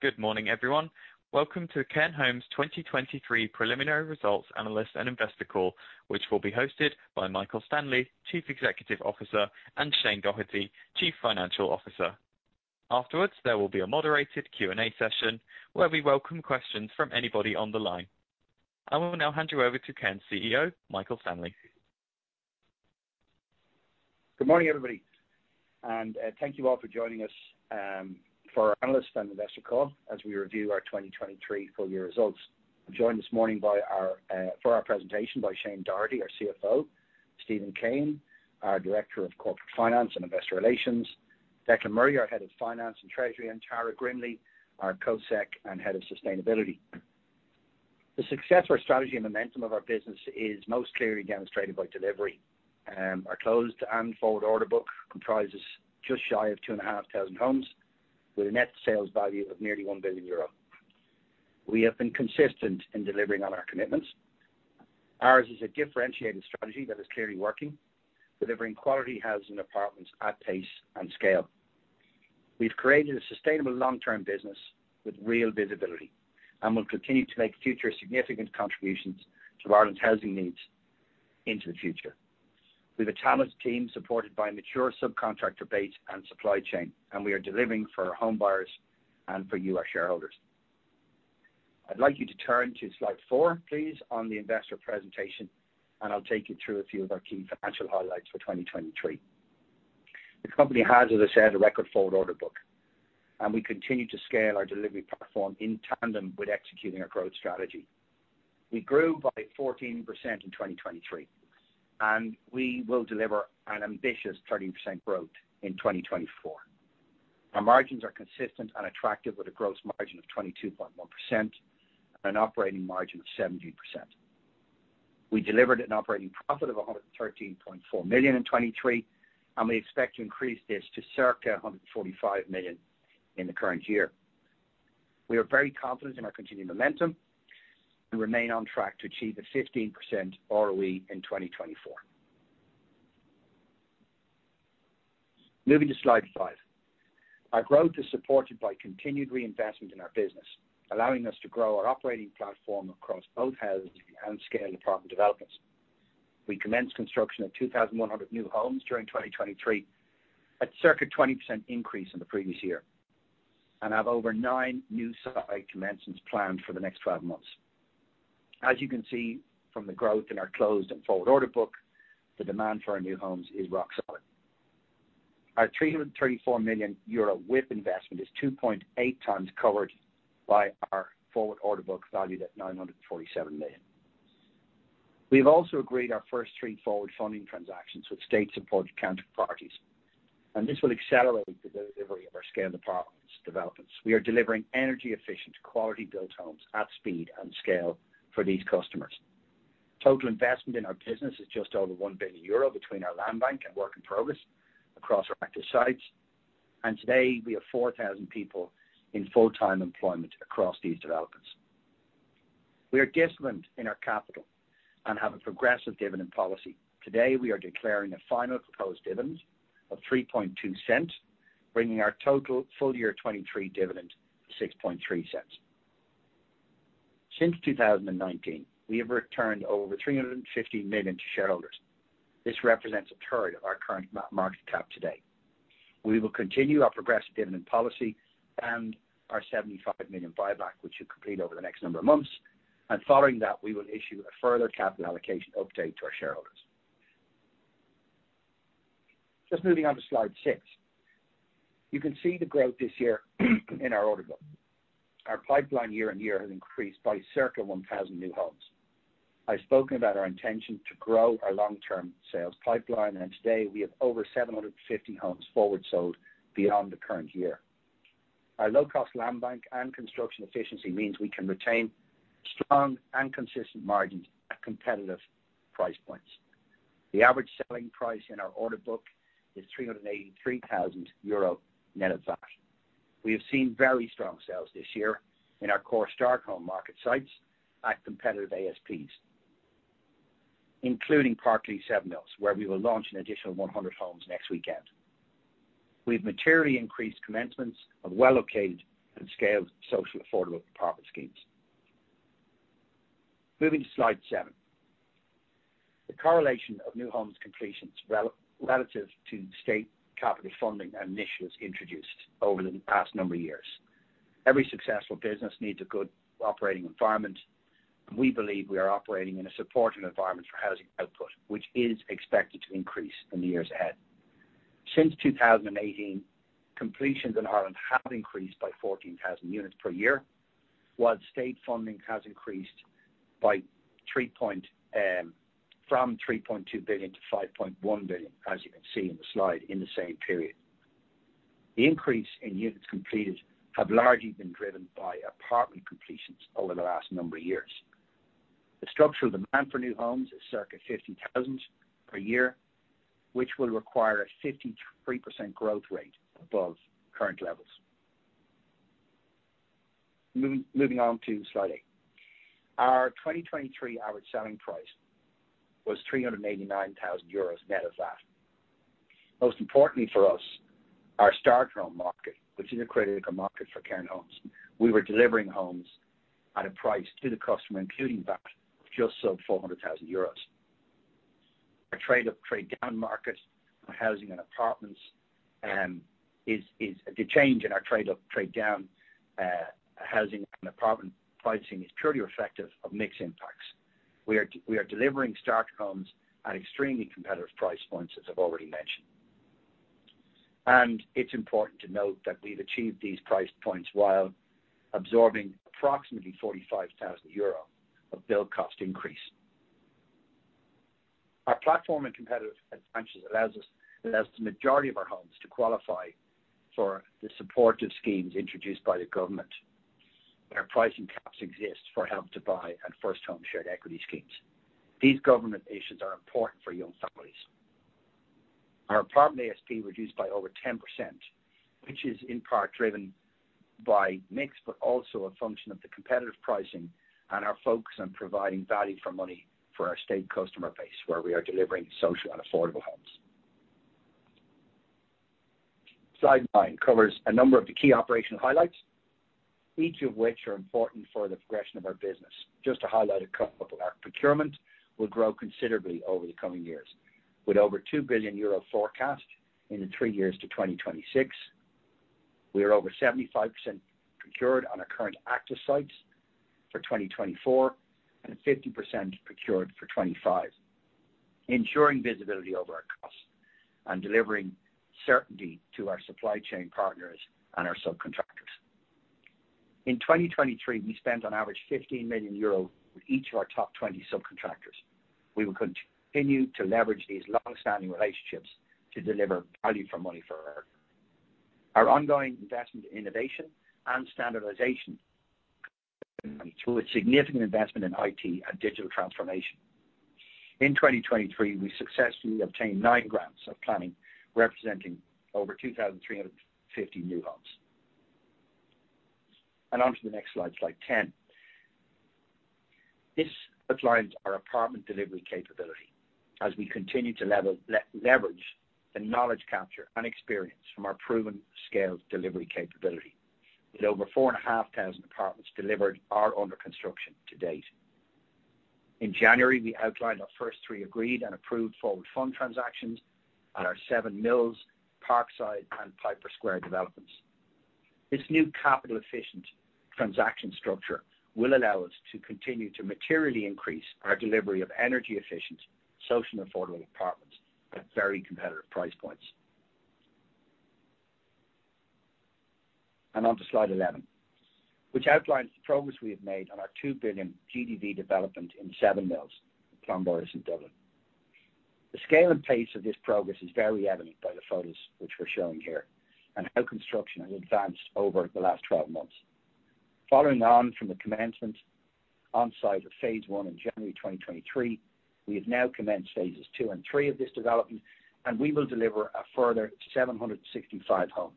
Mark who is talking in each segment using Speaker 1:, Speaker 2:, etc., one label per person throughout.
Speaker 1: Good morning, everyone. Welcome to Cairn Homes' 2023 preliminary results analyst and investor call, which will be hosted by Michael Stanley, Chief Executive Officer, and Shane Doherty, Chief Financial Officer. Afterwards, there will be a moderated Q&A session, where we welcome questions from anybody on the line. I will now hand you over to Cairn's CEO, Michael Stanley.
Speaker 2: Good morning, everybody, and thank you all for joining us for our analyst and investor call as we review our 2023 full year results. I'm joined this morning by our for our presentation by Shane Doherty, our CFO, Stephen Kane, our Director of Corporate Finance and Investor Relations, Declan Murray, our Head of Finance and Treasury, and Tara Grimley, our Co-Sec and Head of Sustainability. The success of our strategy and momentum of our business is most clearly demonstrated by delivery. Our closed and forward order book comprises just shy of 2,500 homes with a net sales value of nearly 1 billion euro. We have been consistent in delivering on our commitments. Ours is a differentiated strategy that is clearly working, delivering quality housing apartments at pace and scale. We've created a sustainable long-term business with real visibility, and we'll continue to make future significant contributions to Ireland's housing needs into the future. We've a talented team supported by mature subcontractor base and supply chain, and we are delivering for our home buyers and for you, our shareholders. I'd like you to turn to slide 4, please, on the investor presentation, and I'll take you through a few of our key financial highlights for 2023. The company has, as I said, a record forward order book, and we continue to scale our delivery platform in tandem with executing our growth strategy. We grew by 14% in 2023, and we will deliver an ambitious 13% growth in 2024. Our margins are consistent and attractive, with a gross margin of 22.1% and an operating margin of 17%. We delivered an operating profit of 113.4 million in 2023, and we expect to increase this to circa 145 million in the current year. We are very confident in our continuing momentum and remain on track to achieve a 15% ROE in 2024. Moving to slide 5. Our growth is supported by continued reinvestment in our business, allowing us to grow our operating platform across both housing and scale apartment developments. We commenced construction of 2,100 new homes during 2023, a circa 20% increase in the previous year, and have over 9 new site commencements planned for the next 12 months. As you can see from the growth in our closed and forward order book, the demand for our new homes is rock solid. Our 334 million euro WIP investment is 2.8 times covered by our forward order book, valued at 947 million. We've also agreed our first 3 forward funding transactions with state-supported counterparties, and this will accelerate the delivery of our scale developments. We are delivering energy efficient, quality-built homes at speed and scale for these customers. Total investment in our business is just over 1 billion euro between our land bank and work in progress across our active sites, and today, we have 4,000 people in full-time employment across these developments. We are disciplined in our capital and have a progressive dividend policy. Today, we are declaring a final proposed dividend of 0.032, bringing our total full year 2023 dividend to 0.063. Since 2019, we have returned over 350 million to shareholders. This represents a third of our current market cap today. We will continue our progressive dividend policy and our 75 million buyback, which will complete over the next number of months. And following that, we will issue a further capital allocation update to our shareholders. Just moving on to slide 6. You can see the growth this year in our order book. Our pipeline year-on-year has increased by circa 1,000 new homes. I've spoken about our intention to grow our long-term sales pipeline, and today, we have over 750 homes forward sold beyond the current year. Our low-cost land bank and construction efficiency means we can retain strong and consistent margins at competitive price points. The average selling price in our order book is 383,000 euro net of VAT. We have seen very strong sales this year in our core start home market sites at competitive ASPs, including Parkleigh, Seven Mills, where we will launch an additional 100 homes next weekend. We've materially increased commencements of well-located and scaled social affordable apartment schemes. Moving to slide 7. The correlation of new homes completions relative to state capital funding initiatives introduced over the past number of years. Every successful business needs a good operating environment, and we believe we are operating in a supportive environment for housing output, which is expected to increase in the years ahead. Since 2018, completions in Ireland have increased by 14,000 units per year, while state funding has increased by three point, from 3.2 billion-5.1 billion, as you can see in the slide, in the same period. The increase in units completed have largely been driven by apartment completions over the last number of years. The structural demand for new homes is circa 50,000 per year, which will require a 53% growth rate above current levels. Moving on to slide 8. Our 2023 average selling price was 389,000 euros net of VAT. Most importantly for us, our starter home market, which is a critical market for Cairn Homes, we were delivering homes at a price to the customer, including VAT, just sub 400,000 euros. Our trade up, trade down market on housing and apartments is the change in our trade up, trade down housing and apartment pricing is purely reflective of mixed impacts. We are delivering starter homes at extremely competitive price points, as I've already mentioned. It's important to note that we've achieved these price points while absorbing approximately 45,000 euro of build cost increase. Our platform and competitive advantages allows us the majority of our homes to qualify for the supportive schemes introduced by the government, where pricing caps exist for Help to Buy and First Home shared equity schemes. These government initiatives are important for young families. Our apartment ASP reduced by over 10%, which is in part driven by mix, but also a function of the competitive pricing and our focus on providing value for money for our state customer base, where we are delivering social and affordable homes. Slide 9 covers a number of the key operational highlights, each of which are important for the progression of our business. Just to highlight a couple, our procurement will grow considerably over the coming years, with over 2 billion euro forecast in the three years to 2026. We are over 75% procured on our current active sites for 2024, and 50% procured for 2025, ensuring visibility over our costs and delivering certainty to our supply chain partners and our subcontractors. In 2023, we spent on average 15 million euros with each of our top 20 subcontractors. We will continue to leverage these long-standing relationships to deliver value for money for our. Our ongoing investment in innovation and standardization through a significant investment in IT and digital transformation. In 2023, we successfully obtained 9 grants of planning, representing over 2,350 new homes. Onto the next slide, slide 10. This outlines our apartment delivery capability as we continue to leverage the knowledge capture and experience from our proven scaled delivery capability, with over 4,500 apartments delivered or under construction to date. In January, we outlined our first 3 agreed and approved forward fund transactions at our Seven Mills, Parkside and Pipers Square developments. This new capital efficient transaction structure will allow us to continue to materially increase our delivery of energy efficient, social and affordable apartments at very competitive price points. On to slide 11, which outlines the progress we have made on our 2 billion GDV development in Seven Mills, Clondalkin, Dublin. The scale and pace of this progress is very evident by the photos which we're showing here, and how construction has advanced over the last 12 months. Following on from the commencement on site of phase 1 in January 2023, we have now commenced phases 2 and 3 of this development, and we will deliver a further 765 homes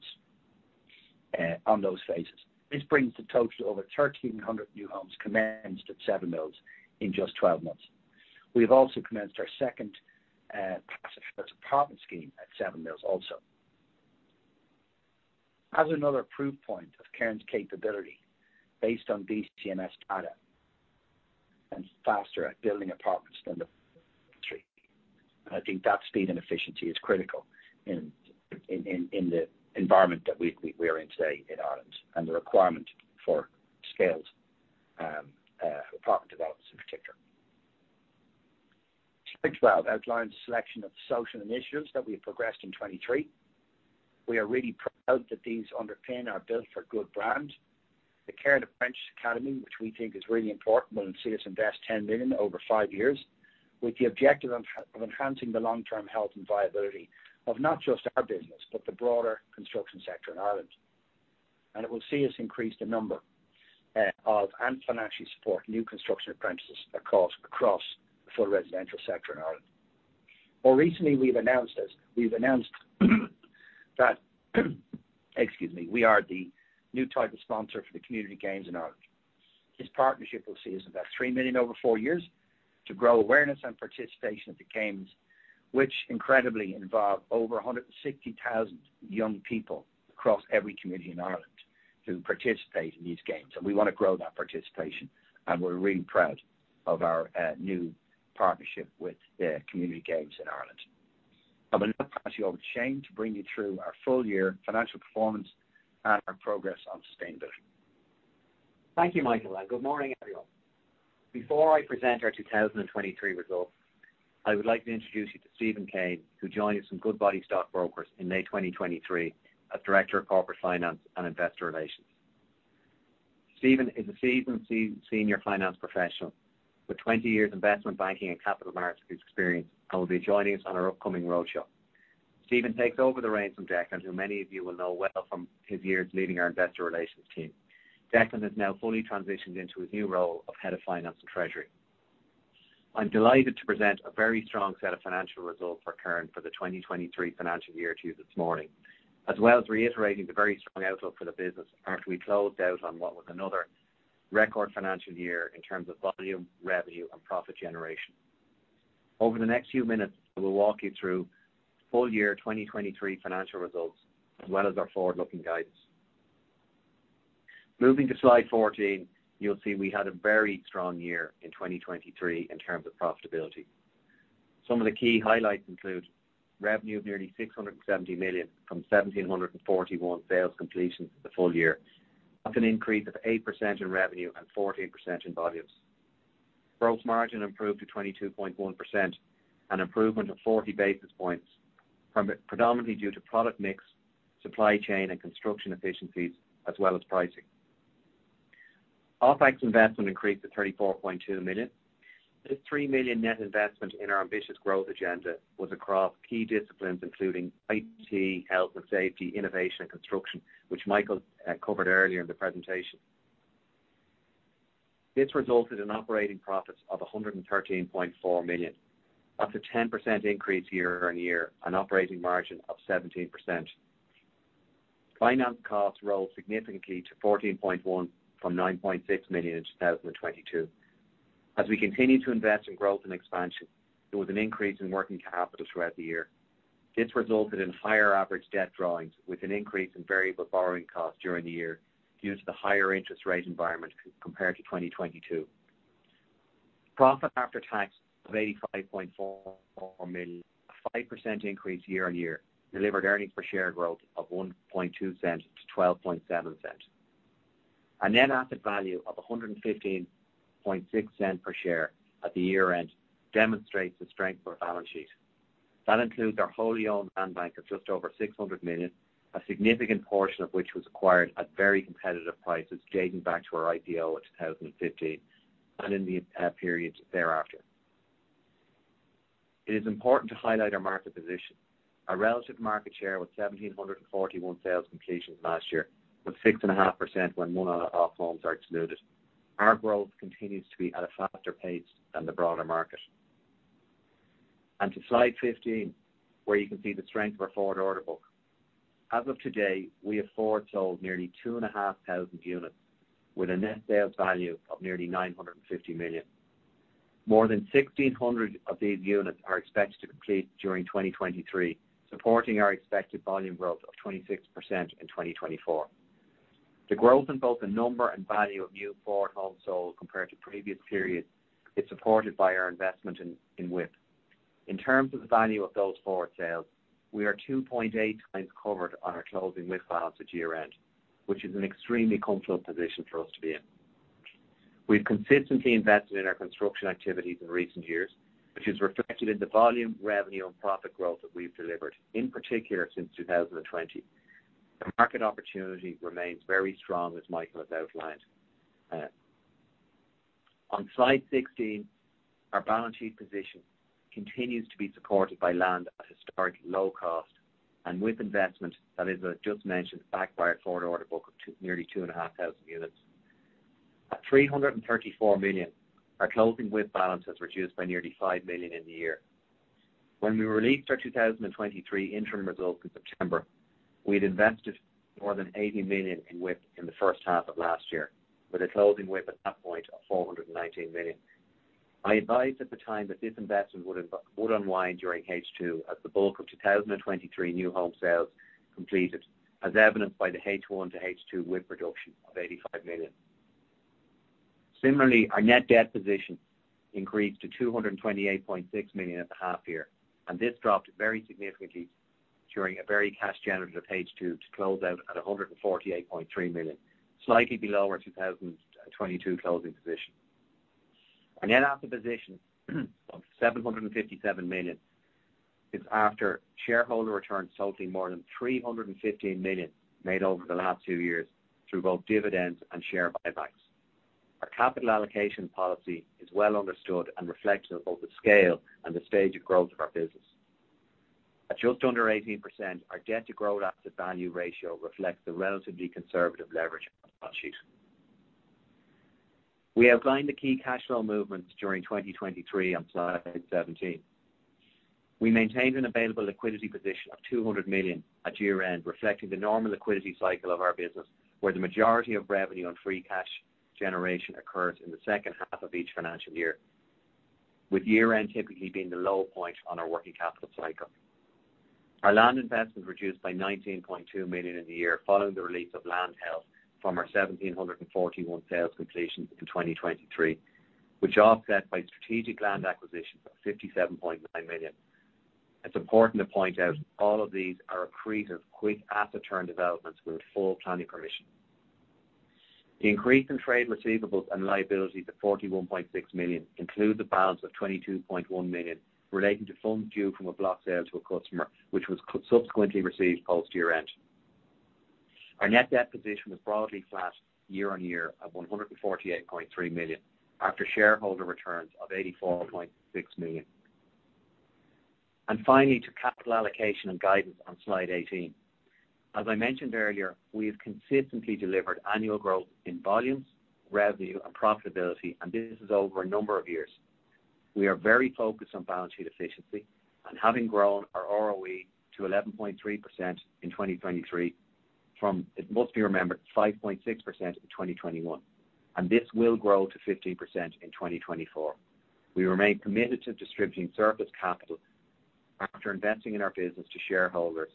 Speaker 2: on those phases. This brings the total to over 1,300 new homes commenced at Seven Mills in just 12 months. We've also commenced our second Passive House apartment scheme at Seven Mills also. As another proof point of current capability based on BCMS data and faster at building apartments three. I think that speed and efficiency is critical in the environment that we're in today in Ireland and the requirement for scaled apartment developments in particular. Slide 12 outlines a selection of social initiatives that we've progressed in 2023. We are really proud that these underpin our Build for Good brand. The Cairn Apprenticeship Programme, which we think is really important, will see us invest 10 million over five years, with the objective of enhancing the long-term health and viability of not just our business, but the broader construction sector in Ireland. And it will see us increase the number of and financially support new construction apprentices across the full residential sector in Ireland. More recently, we've announced that we are the new title sponsor for the Community Games in Ireland. This partnership will see us invest 3 million over 4 years to grow awareness and participation at the games, which incredibly involve over 160,000 young people across every community in Ireland who participate in these games, and we want to grow that participation, and we're really proud of our new partnership with the Community Games in Ireland. I will now pass you over to Shane to bring you through our full year financial performance and our progress on sustainable.
Speaker 3: Thank you, Michael, and good morning, everyone. Before I present our 2023 results, I would like to introduce you to Stephen Kane, who joined us from Goodbody Stockbrokers in May 2023 as Director of Corporate Finance and Investor Relations. Stephen is a seasoned senior finance professional with 20 years investment banking and capital markets experience, and will be joining us on our upcoming roadshow. Stephen takes over the reins from Declan, who many of you will know well from his years leading our investor relations team. Declan has now fully transitioned into his new role of Head of Finance and Treasury. I'm delighted to present a very strong set of financial results for the 2023 financial year to you this morning, as well as reiterating the very strong outlook for the business after we closed out on what was another-... record financial year in terms of volume, revenue, and profit generation. Over the next few minutes, we'll walk you through full year 2023 financial results, as well as our forward-looking guidance. Moving to slide 14, you'll see we had a very strong year in 2023 in terms of profitability. Some of the key highlights include revenue of nearly 670 million from 1,741 sales completions the full year. That's an increase of 8% in revenue and 14% in volumes. Gross margin improved to 22.1%, an improvement of 40 basis points from, predominantly due to product mix, supply chain, and construction efficiencies, as well as pricing. OPEX investment increased to 34.2 million. This 3 million net investment in our ambitious growth agenda was across key disciplines, including IT, health and safety, innovation, and construction, which Michael covered earlier in the presentation. This resulted in operating profits of 113.4 million. That's a 10% increase year-on-year, an operating margin of 17%. Finance costs rose significantly to 14.1 million from 9.6 million in 2022. As we continue to invest in growth and expansion, there was an increase in working capital throughout the year. This resulted in higher average debt drawings, with an increase in variable borrowing costs during the year, due to the higher interest rate environment compared to 2022. Profit after tax of 85.4 million, a 5% increase year-on-year, delivered earnings per share growth of 0.012-0.127. A net asset value of 1.156 per share at year-end demonstrates the strength of our balance sheet. That includes our wholly owned land bank of just over 600 million, a significant portion of which was acquired at very competitive prices, dating back to our IPO in 2015 and in the periods thereafter. It is important to highlight our market position. Our relative market share was 1,741 sales completions last year, with 6.5% when one-off homes are excluded. Our growth continues to be at a faster pace than the broader market. Onto slide 15, where you can see the strength of our forward order book. As of today, we have forward sold nearly 2,500 units with a net sales value of nearly 950 million. More than 1,600 of these units are expected to complete during 2023, supporting our expected volume growth of 26% in 2024. The growth in both the number and value of new forward homes sold compared to previous periods is supported by our investment in WIP. In terms of the value of those forward sales, we are 2.8 times covered on our closing WIP files at year-end, which is an extremely comfortable position for us to be in. We've consistently invested in our construction activities in recent years, which is reflected in the volume, revenue, and profit growth that we've delivered, in particular since 2020. The market opportunity remains very strong, as Michael has outlined. On slide 16, our balance sheet position continues to be supported by land at historically low cost and with investment, that is, I just mentioned, backed by our forward order book of nearly 2,500 units. At 334 million, our closing WIP balance has reduced by nearly 5 million in the year. When we released our 2023 interim results in September, we'd invested more than 80 million in WIP in the first half of last year, with a closing WIP at that point of 419 million. I advised at the time that this investment would have, would unwind during H2 as the bulk of 2023 new home sales completed, as evidenced by the H1 to H2 WIP reduction of 85 million. Similarly, our net debt position increased to 228.6 million at the half year, and this dropped very significantly during a very cash generative H2 to close out at 148.3 million, slightly below our 2022 closing position. Our net asset position of 757 million is after shareholder returns totaling more than 315 million made over the last two years through both dividends and share buybacks. Our capital allocation policy is well understood and reflects on both the scale and the stage of growth of our business. At just under 18%, our debt to growth asset value ratio reflects the relatively conservative leverage of our balance sheet. We outlined the key cash flow movements during 2023 on slide 17. We maintained an available liquidity position of 200 million at year-end, reflecting the normal liquidity cycle of our business, where the majority of revenue and free cash generation occurs in the second half of each financial year, with year-end typically being the low point on our working capital cycle. Our land investment reduced by 19.2 million in the year following the release of land held from our 1,741 sales completions in 2023, which are offset by strategic land acquisitions of 57.9 million. It's important to point out all of these are accretive quick asset turn developments with full planning permission. The increase in trade receivables and liabilities to 41.6 million includes the balance of 22.1 million relating to funds due from a block sale to a customer, which was subsequently received post year-end. Our net debt position was broadly flat year-on-year of 148.3 million, after shareholder returns of 84.6 million. And finally, to capital allocation and guidance on slide 18. As I mentioned earlier, we have consistently delivered annual growth in volumes, revenue, and profitability, and this is over a number of years... We are very focused on balance sheet efficiency and having grown our ROE to 11.3% in 2023, from, it must be remembered, 5.6% in 2021, and this will grow to 15% in 2024. We remain committed to distributing surplus capital after investing in our business to shareholders,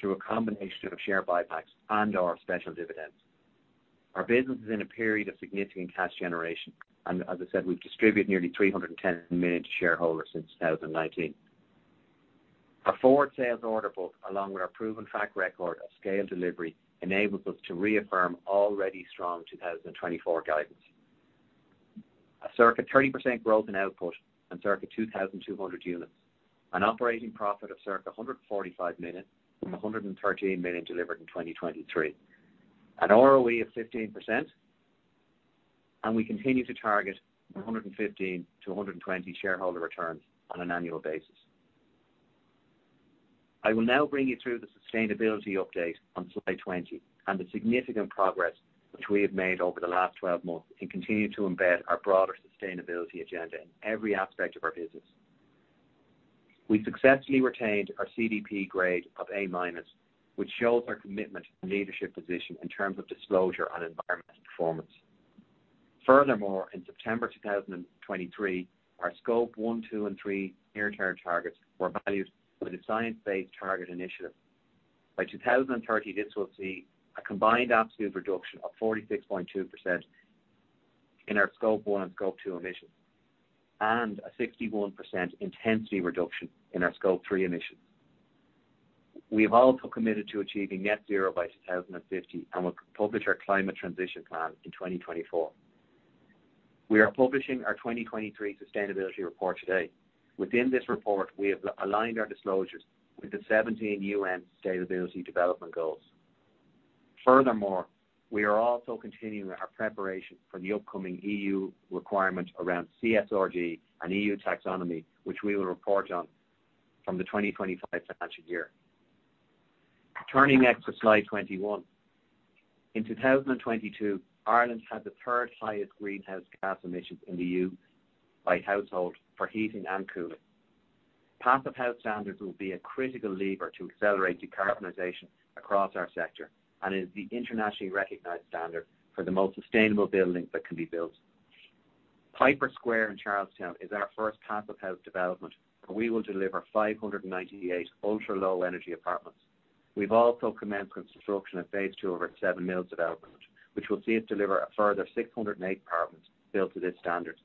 Speaker 3: through a combination of share buybacks and/or special dividends. Our business is in a period of significant cash generation, and as I said, we've distributed nearly 310 million to shareholders since 2019. Our forward sales order book, along with our proven track record of scale delivery, enables us to reaffirm already strong 2024 guidance. A circa 30% growth in output and circa 2,200 units, an operating profit of circa 145 million, from 113 million delivered in 2023. An ROE of 15%, and we continue to target 115%-120% shareholder returns on an annual basis. I will now bring you through the sustainability update on slide 20, and the significant progress which we have made over the last 12 months, and continue to embed our broader sustainability agenda in every aspect of our business. We successfully retained our CDP grade of A-minus, which shows our commitment and leadership position in terms of disclosure on environmental performance. Furthermore, in September 2023, our Scope 1, 2 and 3 near-term targets were valued by the Science Based Targets initiative. By 2030, this will see a combined absolute reduction of 46.2% in our Scope 1 and Scope 2 emissions, and a 61% intensity reduction in our Scope 3 emissions. We have also committed to achieving net zero by 2050, and will publish our climate transition plan in 2024. We are publishing our 2023 sustainability report today. Within this report, we have aligned our disclosures with the 17 UN Sustainable Development Goals. Furthermore, we are also continuing our preparation for the upcoming EU requirements around CSRD and EU Taxonomy, which we will report on from the 2025 financial year. Turning next to slide 21. In 2022, Ireland had the third highest greenhouse gas emissions in the EU by household for heating and cooling. Passive House standards will be a critical lever to accelerate decarbonization across our sector, and is the internationally recognized standard for the most sustainable buildings that can be built. Pipers Square in Charlestown is our first Passive House development, and we will deliver 598 ultra-low energy apartments. We've also commenced construction of phase two over at Seven Mills development, which will see us deliver a further 608 apartments built to this standard.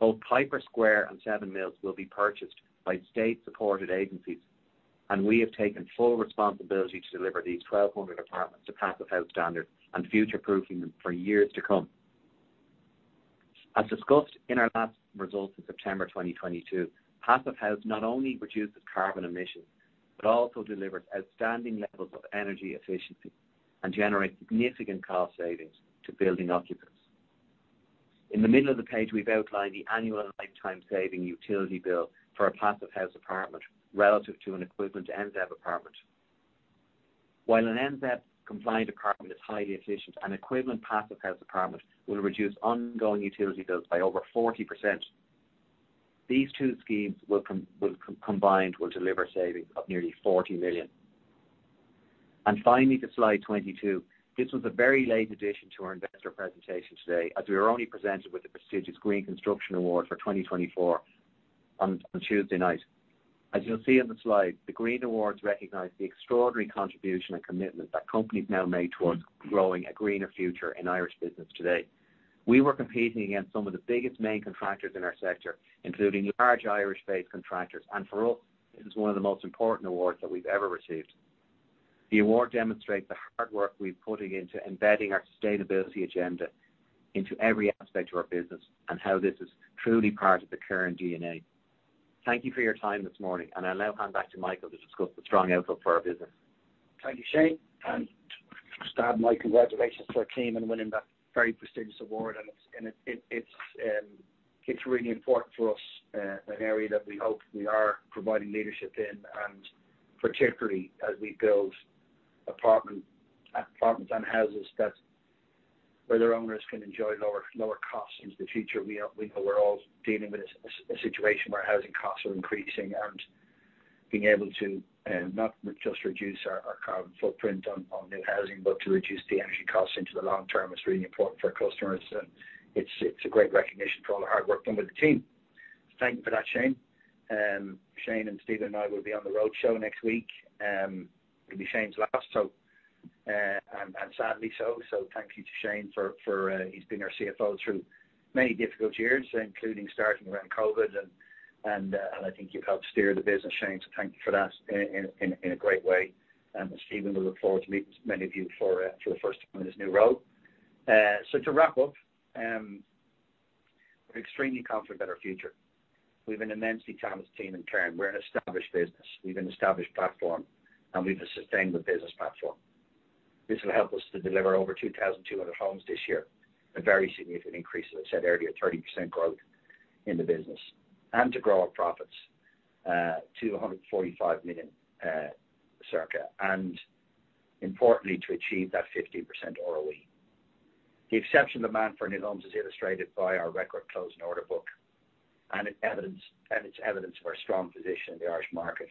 Speaker 3: Both Pipers Square and Seven Mills will be purchased by state-supported agencies, and we have taken full responsibility to deliver these 1,200 apartments to Passive House standards and future-proofing them for years to come. As discussed in our last results in September 2022, Passive House not only reduces carbon emissions, but also delivers outstanding levels of energy efficiency and generates significant cost savings to building occupants. In the middle of the page, we've outlined the annual lifetime saving utility bill for a Passive House apartment relative to an equivalent NZEB apartment. While an NZEB-compliant apartment is highly efficient, an equivalent Passive House apartment will reduce ongoing utility bills by over 40%. These two schemes, combined, will deliver savings of nearly 40 million. And finally, to slide 22. This was a very late addition to our investor presentation today, as we were only presented with the prestigious Green Construction Award for 2024 on Tuesday night. As you'll see on the slide, the Green Awards recognize the extraordinary contribution and commitment that companies now make towards growing a greener future in Irish business today. We were competing against some of the biggest main contractors in our sector, including large Irish-based contractors, and for us, this is one of the most important awards that we've ever received. The award demonstrates the hard work we're putting into embedding our sustainability agenda into every aspect of our business, and how this is truly part of the current DNA. Thank you for your time this morning, and I'll now hand back to Michael to discuss the strong outlook for our business.
Speaker 2: Thank you, Shane, and to start, my congratulations to our team in winning that very prestigious award. It's really important for us, an area that we hope we are providing leadership in, and particularly as we build apartments and houses that where their owners can enjoy lower costs into the future. We know we're all dealing with a situation where housing costs are increasing, and being able to not just reduce our carbon footprint on new housing, but to reduce the energy costs into the long term, it's really important for our customers. It's a great recognition for all the hard work done by the team. Thank you for that, Shane. Shane and Stephen and I will be on the roadshow next week. It'll be Shane's last, so, and sadly so. So thank you to Shane for he's been our CFO through many difficult years, including starting around COVID, and I think you've helped steer the business, Shane, so thank you for that, in a great way. Stephen will look forward to meeting many of you for the first time in his new role. So to wrap up, we're extremely confident about our future. We have an immensely talented team in turn. We're an established business. We have an established platform, and we have a sustainable business platform. This will help us to deliver over 2,200 homes this year, a very significant increase, as I said earlier, 30% growth in the business, and to grow our profits to EUR 145 million circa. Importantly, to achieve that 15% ROE. The exceptional demand for new homes is illustrated by our record closing order book, and it's evidence of our strong position in the Irish market.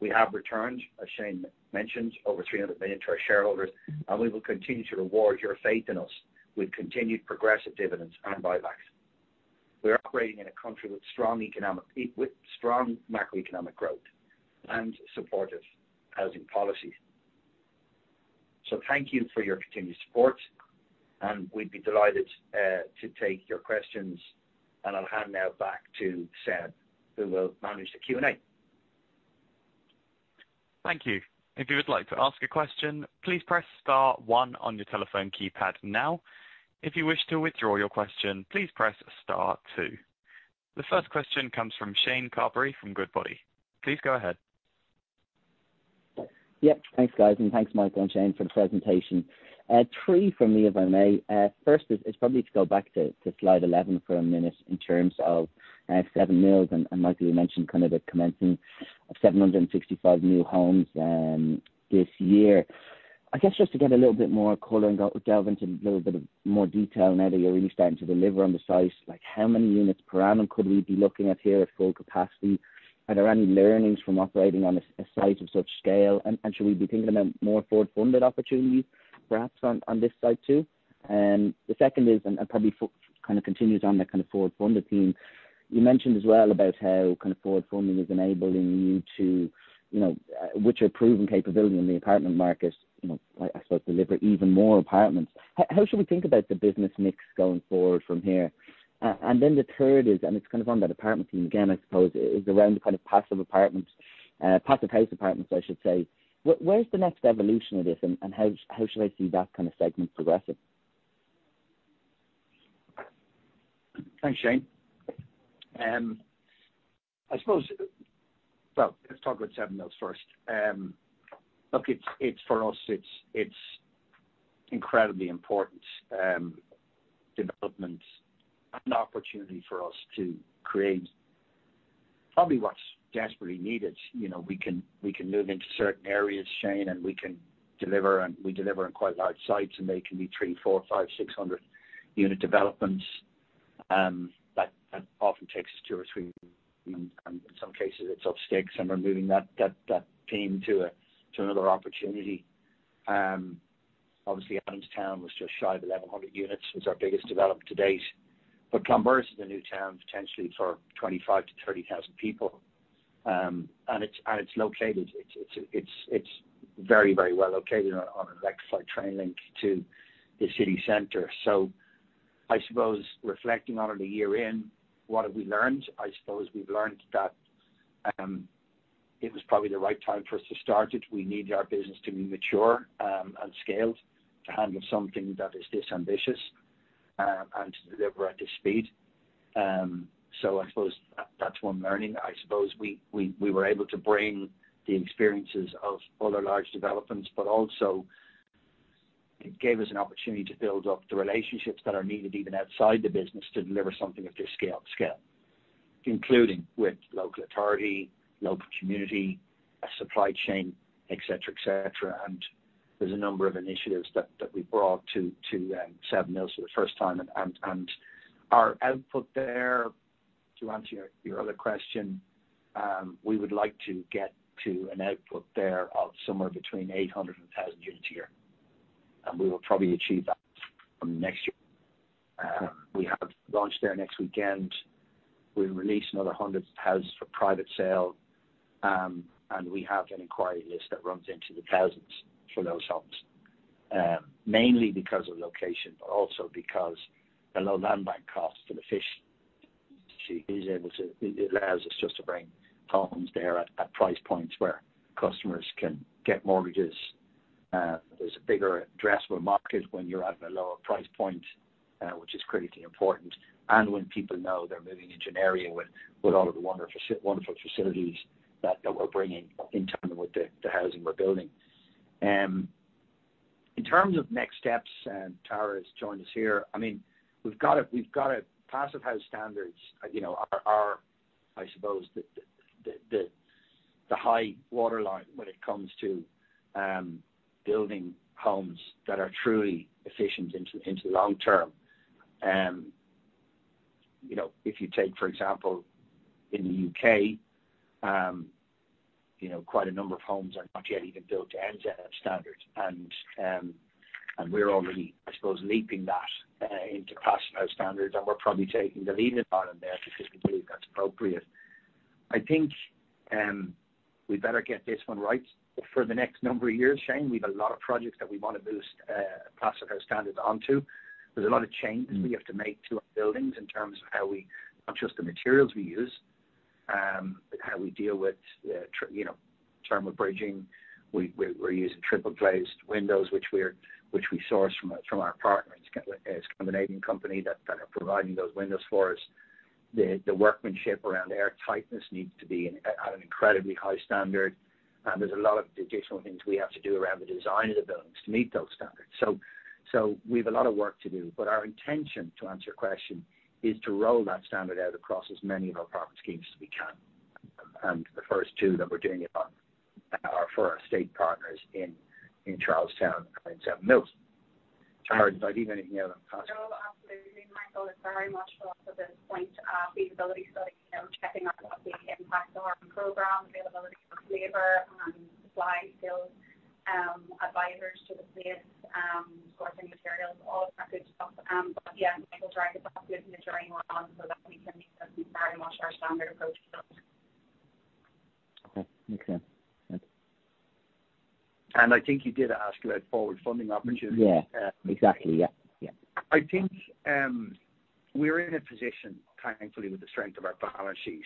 Speaker 2: We have returned, as Shane mentioned, over 300 million to our shareholders, and we will continue to reward your faith in us with continued progressive dividends and buybacks. We are operating in a country with strong economic, with strong macroeconomic growth and supportive housing policy. So thank you for your continued support, and we'd be delighted to take your questions, and I'll hand now back to Seb, who will manage the Q&A.
Speaker 1: Thank you. If you would like to ask a question, please press star one on your telephone keypad now. If you wish to withdraw your question, please press star two. The first question comes from Shane Carberry from Goodbody. Please go ahead.
Speaker 4: Yeah, thanks, guys, and thanks, Michael and Shane, for the presentation. Three from me, if I may. First is probably to go back to slide 11 for a minute in terms of Seven Mills, and Michael, you mentioned kind of the commencing of 765 new homes this year. I guess just to get a little bit more color and go delve into a little bit of more detail now that you're really starting to deliver on the size, like, how many units per annum could we be looking at here at full capacity? Are there any learnings from operating on a site of such scale? And should we be thinking about more forward-funded opportunities, perhaps, on this site, too? And the second is, and probably kind of continues on that kind of forward-funded theme. You mentioned as well about how kind of forward funding is enabling you to, you know, which are proven capability in the apartment market, you know, I suppose, deliver even more apartments. How should we think about the business mix going forward from here? And then the third is, and it's kind of on that apartment theme again, I suppose, is around the kind of passive apartments, Passive House apartments, I should say. Where's the next evolution of this, and how should I see that kind of segment progressing?
Speaker 2: Thanks, Shane. I suppose. Well, let's talk about Seven Mills first. Look, it's for us, it's incredibly important development and opportunity for us to create probably what's desperately needed. You know, we can move into certain areas, Shane, and we can deliver, and we deliver on quite large sites, and they can be 300-600 unit developments, that often takes two or three, and in some cases it's upstairs, and we're moving that team to another opportunity. Obviously, Adamstown was just shy of 1,100 units. It's our biggest development to date, but Clonburris is a new town, potentially for 25,000-30,000 people. And it's located. It's very, very well located on an electrified train link to the city center. So I suppose reflecting on it a year in, what have we learned? I suppose we've learned that it was probably the right time for us to start it. We need our business to be mature and scaled to handle something that is this ambitious and to deliver at this speed. So I suppose that's one learning. I suppose we were able to bring the experiences of other large developments, but also it gave us an opportunity to build up the relationships that are needed even outside the business, to deliver something of this scale, including with local authority, local community, a supply chain, et cetera, et cetera. And there's a number of initiatives that we brought to Seven Mills for the first time. Our output there, to answer your other question, we would like to get to an output there of somewhere between 800 and 1,000 units a year, and we will probably achieve that from next year. We have launched there next weekend. We'll release another 100 houses for private sale, and we have an inquiry list that runs into the thousands for those homes, mainly because of location, but also because the low land bank cost for the site allows us just to bring homes there at price points where customers can get mortgages. There's a bigger addressable market when you're at a lower price point, which is critically important, and when people know they're moving into an area with all of the wonderful facilities that we're bringing in tandem with the housing we're building. In terms of next steps, and Tara has joined us here. I mean, we've got a Passive House standards, you know, are the high water line when it comes to building homes that are truly efficient into the long term. You know, if you take, for example, in the U.K., you know, quite a number of homes are not yet even built to NZ standards, and, and we're already, I suppose, leaping that into Passive House standards, and we're probably taking the lead on there because we believe that's appropriate. I think, we better get this one right for the next number of years, Shane. We've a lot of projects that we want to boost Passive House standards onto. There's a lot of changes we have to make to our buildings in terms of how we, not just the materials we use, but how we deal with the thermal bridging, you know. We're using triple-glazed windows, which we source from our partners. It's kind of a Canadian company that are providing those windows for us. The workmanship around air tightness needs to be at an incredibly high standard, and there's a lot of additional things we have to do around the design of the buildings to meet those standards. So we've a lot of work to do, but our intention, to answer your question, is to roll that standard out across as many of our product schemes as we can... and the first two that we're doing it on are for our state partners in Charlestown and in Seven Mills. Tara, did I leave anything out on cost?
Speaker 5: No, absolutely, Michael, it's very much for us at this point, feasibility study, you know, checking out the impact on our program, availability of labor, and supply skills, advisors to the place, sourcing materials, all that good stuff. But yeah, Michael's right, it's absolutely the drawing board on, so that we can be very much our standard approach to that.
Speaker 4: Okay, makes sense. Thanks.
Speaker 2: And I think you did ask about forward funding, haven't you?
Speaker 4: Yeah, exactly. Yeah, yeah.
Speaker 2: I think, we're in a position, thankfully, with the strength of our balance sheet,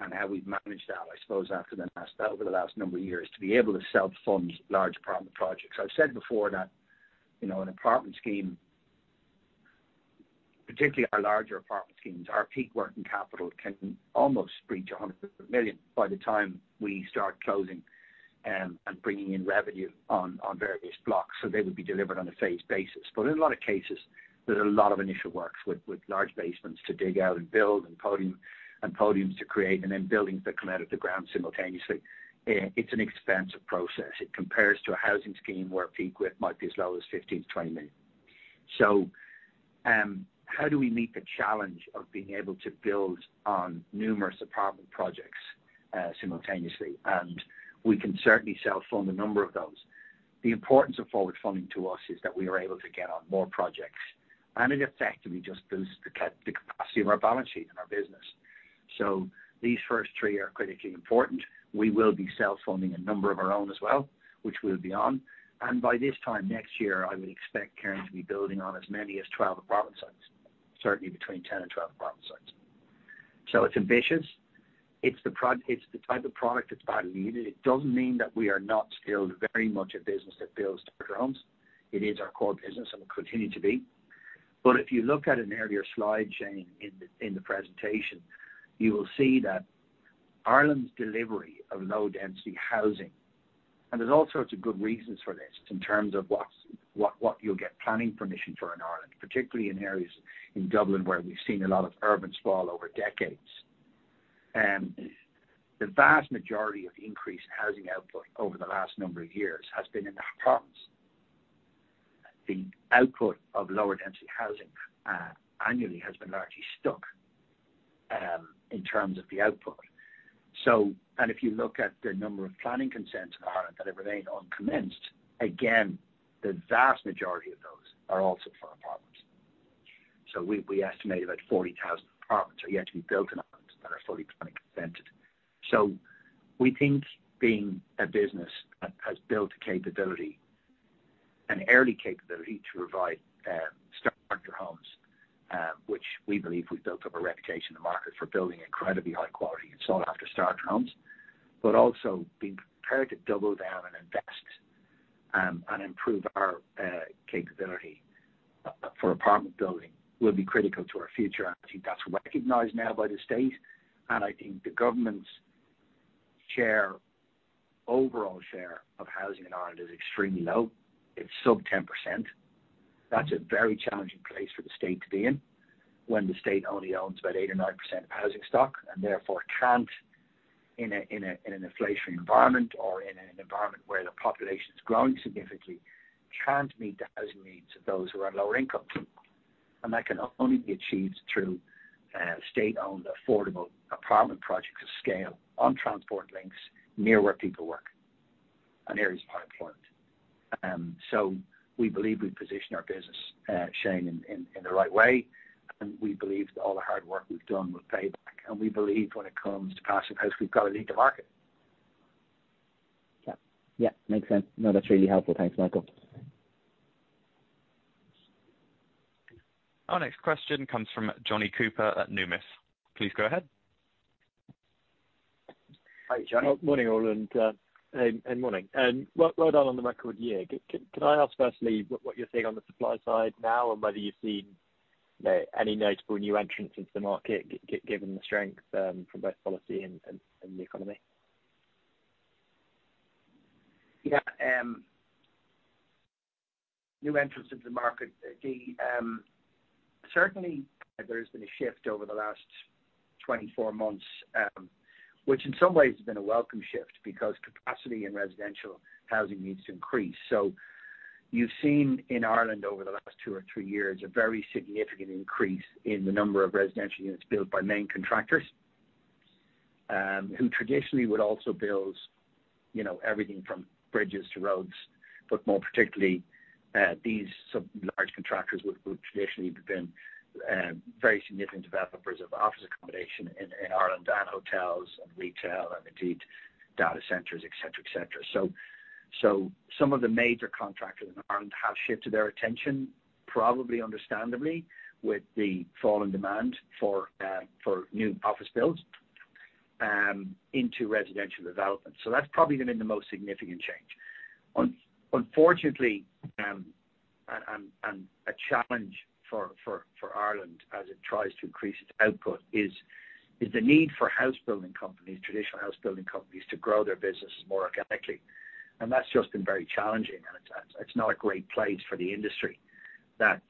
Speaker 2: and how we've managed that, I suppose after the last-- over the last number of years, to be able to self-fund large apartment projects. I've said before that, you know, an apartment scheme, particularly our larger apartment schemes, our peak working capital can almost reach 100 million by the time we start closing, and bringing in revenue on, on various blocks. So they would be delivered on a phased basis. But in a lot of cases, there's a lot of initial works with, with large basements to dig out and build, and podium, and podiums to create, and then buildings that come out of the ground simultaneously. It's an expensive process. It compares to a housing scheme where a peak width might be as low as 15 million-20 million. So, how do we meet the challenge of being able to build on numerous apartment projects, simultaneously? And we can certainly self-fund a number of those. The importance of forward funding to us is that we are able to get on more projects, and it effectively just boosts the capacity of our balance sheet and our business. So these first three are critically important. We will be self-funding a number of our own as well, which we'll be on. And by this time next year, I would expect Cairn to be building on as many as 12 apartment sites, certainly between 10 and 12 apartment sites. So it's ambitious. It's the type of product that's badly needed. It doesn't mean that we are not still very much a business that builds homes. It is our core business and will continue to be. But if you look at an earlier slide, Shane, in the presentation, you will see that Ireland's delivery of low-density housing, and there's all sorts of good reasons for this in terms of what you'll get planning permission for in Ireland, particularly in areas in Dublin, where we've seen a lot of urban sprawl over decades. The vast majority of increased housing output over the last number of years has been in the apartments. The output of lower density housing, annually, has been largely stuck, in terms of the output. So and if you look at the number of planning consents in Ireland that have remained uncommenced, again, the vast majority of those are also for apartments. So we estimate about 40,000 apartments are yet to be built in Ireland that are fully planning consented. So we think being a business that has built a capability, an early capability to provide starter homes, which we believe we've built up a reputation in the market for building incredibly high quality and sought after starter homes, but also being prepared to double down and invest and improve our capability for apartment building will be critical to our future. I think that's recognized now by the state, and I think the government's share, overall share of housing in Ireland is extremely low. It's sub 10%. That's a very challenging place for the state to be in, when the state only owns about 8% or 9% of housing stock, and therefore can't in an inflationary environment or in an environment where the population is growing significantly can't meet the housing needs of those who are on lower incomes. That can only be achieved through state-owned affordable apartment projects of scale, on transport links, near where people work, and areas of high employment. We believe we've positioned our business, Shane, in the right way, and we believe that all the hard work we've done will pay back, and we believe when it comes to Passive House, we've got to lead the market.
Speaker 4: Yeah. Yeah, makes sense. No, that's really helpful. Thanks, Michael.
Speaker 1: Our next question comes from Johnny Cooper at Numis. Please go ahead.
Speaker 2: Hi, Johnny.
Speaker 6: Morning, all, and morning, well done on the record year. Can I ask firstly, what you're seeing on the supply side now, and whether you've seen any notable new entrants into the market, given the strength from both policy and the economy?
Speaker 2: Yeah, new entrants into the market. Certainly there's been a shift over the last 24 months, which in some ways has been a welcome shift, because capacity in residential housing needs to increase. So you've seen in Ireland over the last two or three years, a very significant increase in the number of residential units built by main contractors, who traditionally would also build, you know, everything from bridges to roads. But more particularly, these sub-large contractors would traditionally have been very significant developers of office accommodation in Ireland, and hotels and retail, and indeed data centers, et cetera, et cetera. So some of the major contractors in Ireland have shifted their attention, probably understandably, with the fall in demand for new office builds, into residential development. So that's probably been the most significant change. Unfortunately, a challenge for Ireland as it tries to increase its output is the need for house building companies, traditional house building companies, to grow their businesses more organically. And that's just been very challenging. It's not a great place for the industry that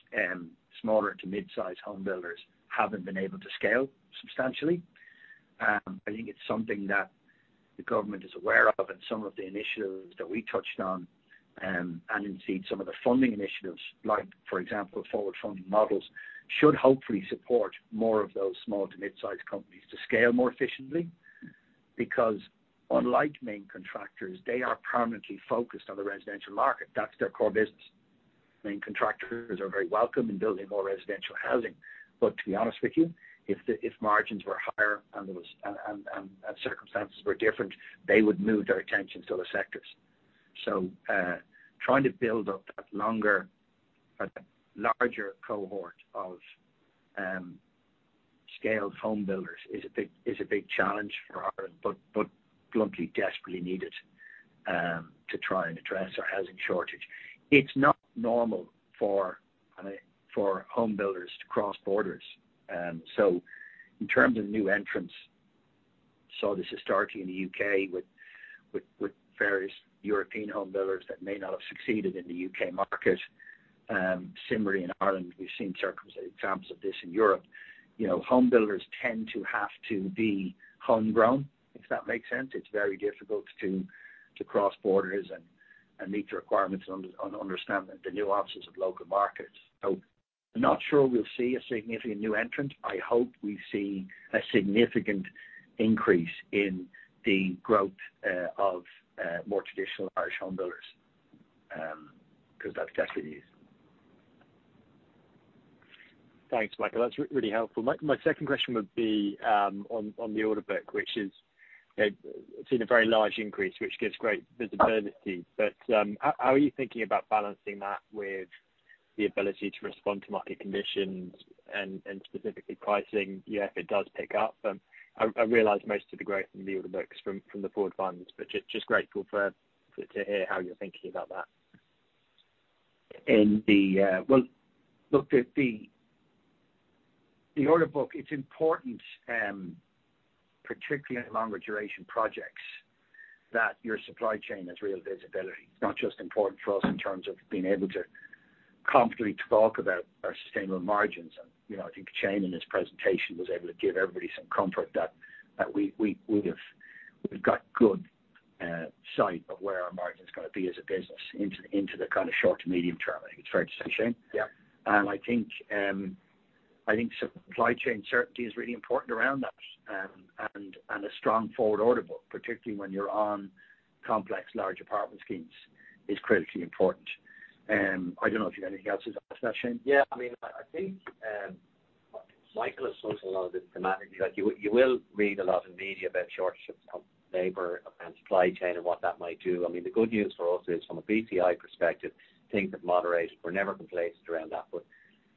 Speaker 2: smaller to mid-size home builders haven't been able to scale substantially. I think it's something that the government is aware of and some of the initiatives that we touched on, and indeed some of the funding initiatives, like for example, forward funding models, should hopefully support more of those small to mid-size companies to scale more efficiently. Because unlike main contractors, they are permanently focused on the residential market. That's their core business. Main contractors are very welcome in building more residential housing, but to be honest with you, if margins were higher and circumstances were different, they would move their attention to other sectors. So, trying to build up a larger cohort of scaled home builders is a big challenge for Ireland, but bluntly, desperately needed to try and address our housing shortage. It's not normal for home builders to cross borders. So in terms of new entrants, saw this historically in the U.K. with various European home builders that may not have succeeded in the U.K. market. Similarly in Ireland, we've seen examples of this in Europe. You know, home builders tend to have to be homegrown, if that makes sense. It's very difficult to cross borders and meet the requirements and understand the nuances of local markets. So I'm not sure we'll see a significant new entrant. I hope we see a significant increase in the growth of more traditional Irish home builders, because that's good news.
Speaker 6: Thanks, Michael. That's really helpful. My second question would be on the order book, which is, you know, seen a very large increase, which gives great visibility. But how are you thinking about balancing that with the ability to respond to market conditions and specifically pricing, yeah, if it does pick up? I realize most of the growth in the order books from the forward funds, but just grateful to hear how you're thinking about that.
Speaker 2: In the... Well, look, the order book, it's important, particularly in longer duration projects, that your supply chain has real visibility. It's not just important for us in terms of being able to confidently talk about our sustainable margins. And, you know, I think Shane, in his presentation, was able to give everybody some comfort that we have, we've got good sight of where our margin's gonna be as a business into the kind of short to medium term. I think it's fair to say, Shane?
Speaker 3: Yeah.
Speaker 2: And I think, I think supply chain certainty is really important around that. And a strong forward order book, particularly when you're on complex, large apartment schemes, is critically important. I don't know if you've anything else to add to that, Shane.
Speaker 3: Yeah, I mean, I think Michael has touched on a lot of this thematically, that you will read a lot in media about shortages of labor and supply chain and what that might do. I mean, the good news for us is from a BCI perspective, things have moderated. We're never complacent around that. But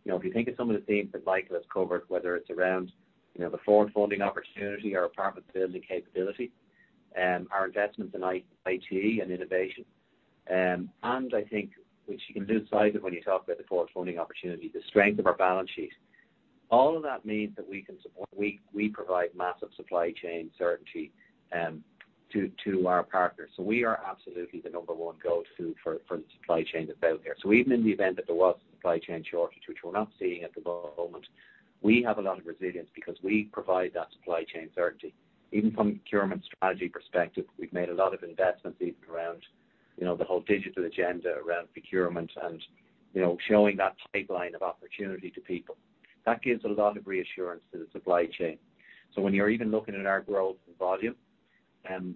Speaker 3: you know, if you think of some of the themes that Michael has covered, whether it's around the forward funding opportunity or apartment building capability, our investments in IT and innovation, and I think, which you can lose sight of when you talk about the forward funding opportunity, the strength of our balance sheet. All of that means that we can support. We provide massive supply chain certainty to our partners. So we are absolutely the number one go-to for the supply chain that's out there. So even in the event that there was a supply chain shortage, which we're not seeing at the moment, we have a lot of resilience because we provide that supply chain certainty. Even from a procurement strategy perspective, we've made a lot of investments even around, you know, the whole digital agenda, around procurement and, you know, showing that pipeline of opportunity to people. That gives a lot of reassurance to the supply chain. So when you're even looking at our growth in volume,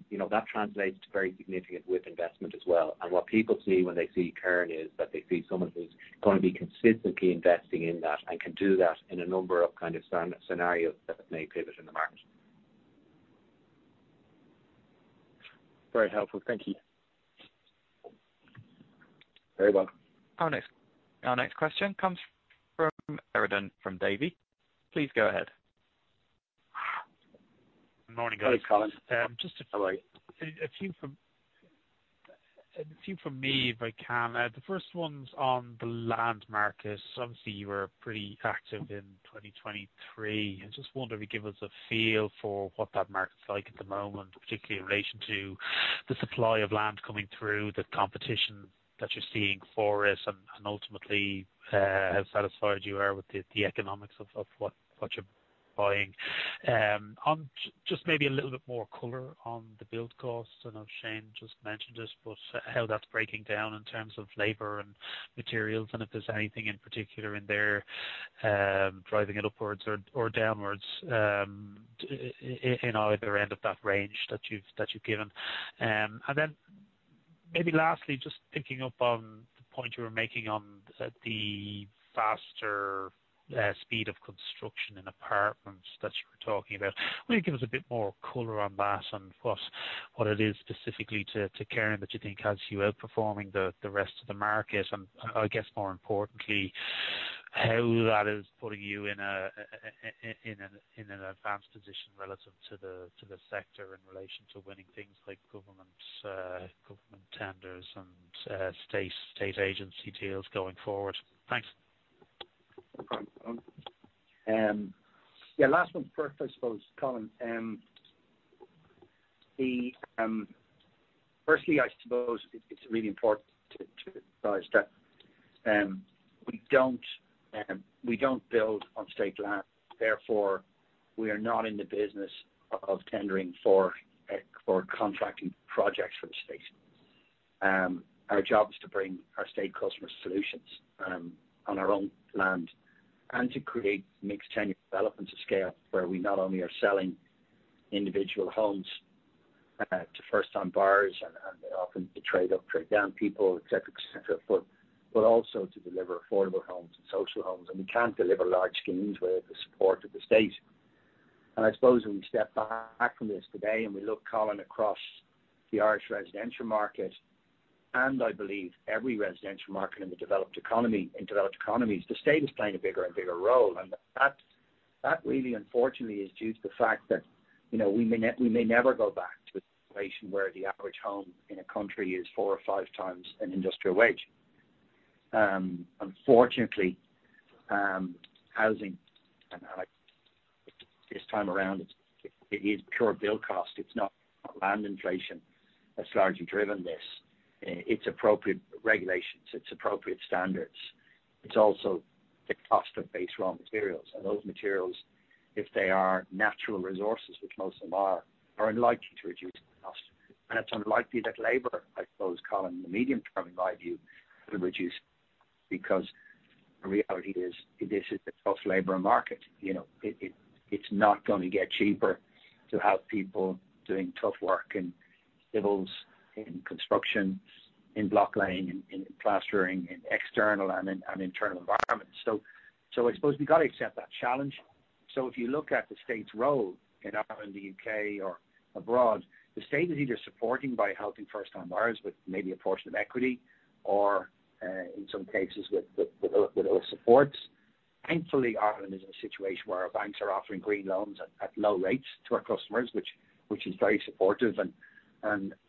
Speaker 3: you know, that translates to very significant with investment as well. What people see when they see Cairn is that they see someone who's going to be consistently investing in that and can do that in a number of kind of scenarios that may pivot in the market.
Speaker 6: Very helpful. Thank you.
Speaker 3: Very well.
Speaker 1: Our next question comes from Sheridan from Davy. Please go ahead.
Speaker 7: Good morning, guys.
Speaker 1: Hey, Colin.
Speaker 7: Just a few from me, if I can. The first one's on the land market. Obviously, you were pretty active in 2023. I just wonder if you could give us a feel for what that market's like at the moment, particularly in relation to the supply of land coming through, the competition that you're seeing for it, and ultimately how satisfied you are with the economics of what you're buying. Just maybe a little bit more color on the build costs, I know Shane just mentioned this, but how that's breaking down in terms of labor and materials, and if there's anything in particular in there driving it upwards or downwards in either end of that range that you've given. And then maybe lastly, just picking up on the point you were making on the faster speed of construction in apartments that you were talking about. Will you give us a bit more color on that and what it is specifically to Cairn that you think has you outperforming the rest of the market? And I guess more importantly, how that is putting you in an advanced position relative to the sector in relation to winning things like government tenders and state agency deals going forward. Thanks.
Speaker 2: Yeah, last one first, I suppose, Colin. Firstly, I suppose it's really important to realize that we don't build on state land, therefore, we are not in the business of tendering for contracting projects for the state. Our job is to bring our state customer solutions on our own land and to create mixed tenure developments of scale, where we not only are selling individual homes to first time buyers and often the trade up, trade down people, et cetera, et cetera, but also to deliver affordable homes and social homes. And we can't deliver large schemes without the support of the state. I suppose when we step back from this today, and we look, Colin, across the Irish residential market, and I believe every residential market in the developed economy, in developed economies, the state is playing a bigger and bigger role. That really, unfortunately, is due to the fact that, you know, we may never go back to a situation where the average home in a country is four or five times an industrial wage. Unfortunately, housing, and like this time around, it is pure build cost. It's not land inflation that's largely driven this. It's appropriate regulations, it's appropriate standards. It's also the cost of base raw materials. And those materials, if they are natural resources, which most of them are, are unlikely to reduce in cost. It's unlikely that labor, I suppose, Colin, in the medium term, in my view, will reduce because the reality is, this is a tough labor market. You know, it's not gonna get cheaper to have people doing tough work in civils, in construction, in block laying, in plastering, in external and internal environments. So I suppose we've got to accept that challenge. So if you look at the state's role in Ireland, the UK, or abroad, the state is either supporting by helping first-time buyers with maybe a portion of equity or in some cases with other supports. Thankfully, Ireland is in a situation where our banks are offering green loans at low rates to our customers, which is very supportive.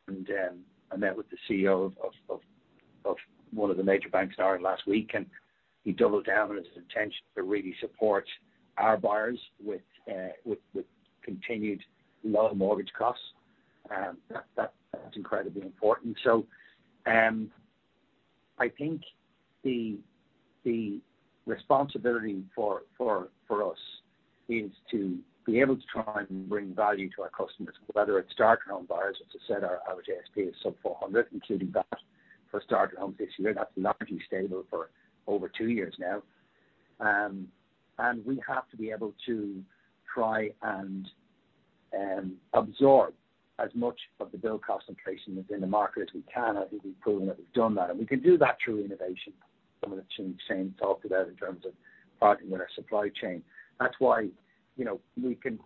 Speaker 2: I met with the CEO of one of the major banks in Ireland last week, and he doubled down on his intention to really support our buyers with continued low mortgage costs. That's incredibly important. So, I think the responsibility for us is to be able to try and bring value to our customers, whether it's starter home buyers, as I said, our average ASP is sub 400, including that for starter homes this year. That's largely stable for over 2 years now. And we have to be able to try and absorb as much of the build cost inflation within the market as we can. I think we've proven that we've done that, and we can do that through innovation. Some of the things Shane talked about in terms of partnering with our supply chain. That's why, you know, we can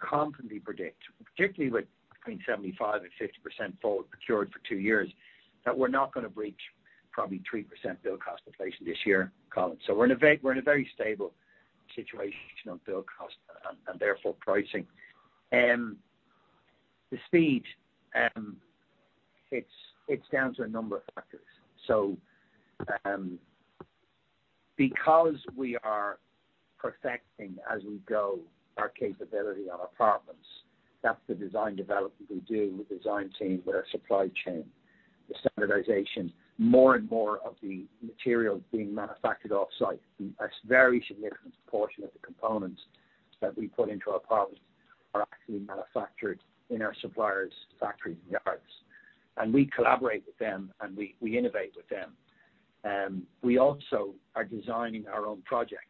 Speaker 2: confidently predict, particularly with between 75% and 50% forward procured for 2 years, that we're not gonna breach probably 3% build cost inflation this year, Colin. So we're in a very stable situation on build cost and therefore pricing. The speed, it's down to a number of factors. So, because we are perfecting as we go, our capability on apartments, that's the design development we do with the design team, with our supply chain, the standardization. More and more of the materials being manufactured offsite, a very significant portion of the components that we put into our apartments are actually manufactured in our suppliers' factory yards, and we collaborate with them, and we innovate with them. We also are designing our own projects.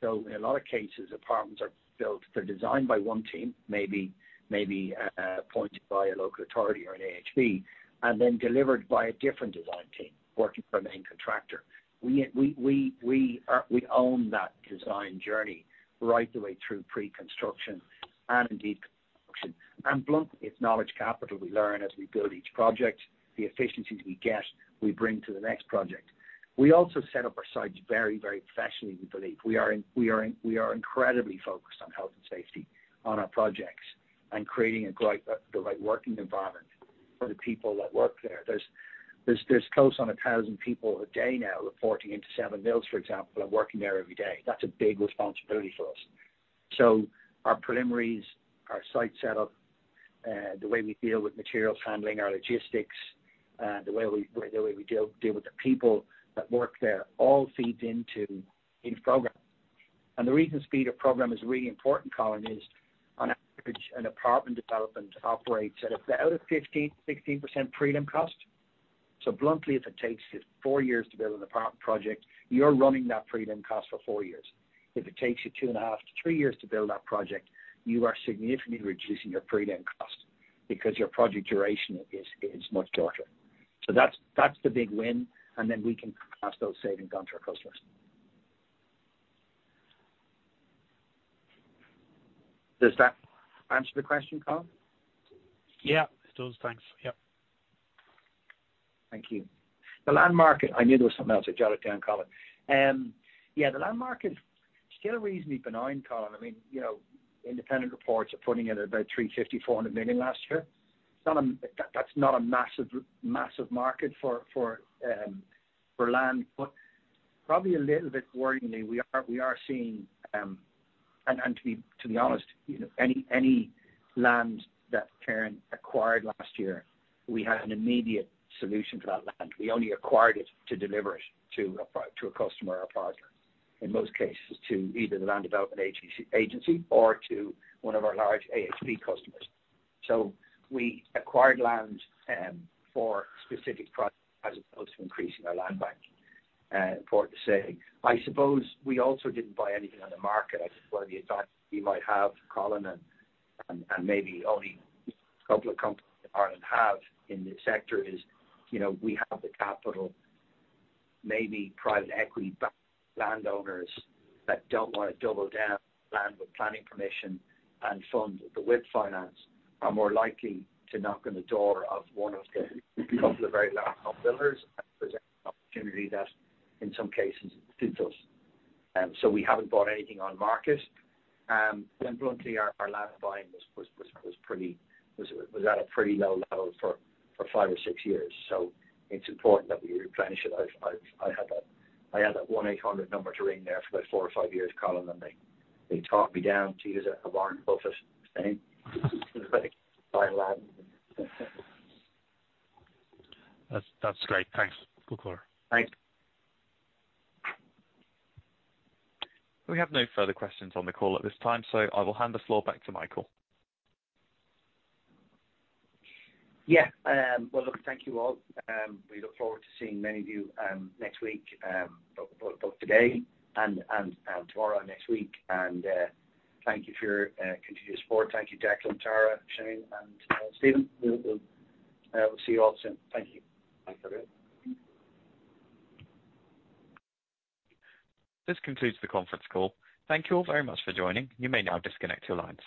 Speaker 2: So in a lot of cases, apartments are built. They're designed by one team, maybe, appointed by a local authority or an AHB, and then delivered by a different design team working for a main contractor. We own that design journey right the way through pre-construction and indeed construction. And bluntly, it's knowledge capital we learn as we build each project. The efficiencies we get, we bring to the next project. We also set up our sites very, very professionally, we believe. We are incredibly focused on health and safety on our projects and creating a great, the right working environment for the people that work there. There's close on 1,000 people a day now reporting into Seven Mills, for example, and working there every day. That's a big responsibility for us. So our preliminaries, our site setup, the way we deal with materials, handling our logistics, the way we deal with the people that work there, all feeds into in program. And the reason speed of program is really important, Colin, is on average, an apartment development operates at about a 15%-16% prelim cost. So bluntly, if it takes you 4 years to build an apartment project, you're running that prelim cost for 4 years. If it takes you 2.5-3 years to build that project, you are significantly reducing your prelim cost because your project duration is much shorter. So that's, that's the big win, and then we can pass those savings on to our customers. Does that answer the question, Colin?
Speaker 7: Yeah, it does. Thanks. Yep.
Speaker 2: Thank you. The land market... I knew there was something else. I jotted down, Colin. Yeah, the land market is still reasonably benign, Colin. I mean, you know, independent reports are putting it at about 350 million-400 million last year. It's not a-- That, that's not a massive, massive market for, for, for land. Probably a little bit worryingly, we are seeing, and to be honest, you know, any land that Cairn acquired last year, we had an immediate solution to that land. We only acquired it to deliver it to a pro-- to a customer or partner, in most cases, to either the Land Development Agency or to one of our large AHB customers. So we acquired land for specific projects as opposed to increasing our land bank. Important to say, I suppose we also didn't buy anything on the market. I think one of the advantages we might have, Colin, and maybe only a couple of companies in Ireland have in this sector is, you know, we have the capital. Maybe private equity landowners that don't want to double down land with planning permission and fund the WIP finance are more likely to knock on the door of one of the couple of very large builders and present an opportunity that in some cases suits us. So we haven't bought anything on market. Then bluntly, our land buying was at a pretty low level for five or six years, so it's important that we replenish it. I had that 1-800 number to ring there for about 4 or 5 years, Colin, and they talked me down to use a Warren Buffett saying, buy land.
Speaker 7: That's great. Thanks, good call.
Speaker 2: Thanks.
Speaker 1: We have no further questions on the call at this time, so I will hand the floor back to Michael.
Speaker 2: Yeah. Well, look, thank you, all. We look forward to seeing many of you next week, but today and tomorrow and next week. And thank you for your continued support. Thank you, Jack, Tara, Shane, and Stephen. We'll see you all soon. Thank you.
Speaker 1: Thanks, everyone. This concludes the conference call. Thank you all very much for joining. You may now disconnect your lines.